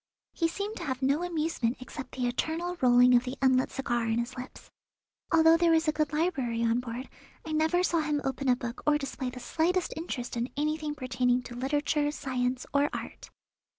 He seemed to have no amusement except the eternal rolling of the unlit cigar in his lips. Although there was a good library on board I never saw him open a book or display the slightest interest in anything pertaining to literature, science, or art.